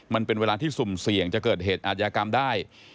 มันเป็นเวลาที่สุ่มเสี่ยงจะเกิดเหตุอาจยากรรมได้